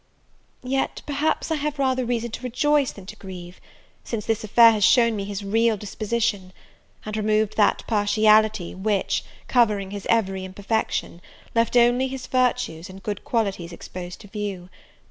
Yet perhaps I have rather reason to rejoice than to grieve, since this affair has shown me his real disposition, and removed that partiality which, covering his every imperfection, left only his virtues and good qualities exposed to view.